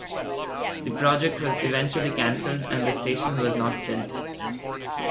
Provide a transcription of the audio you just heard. The project was eventually cancelled and the station was not built.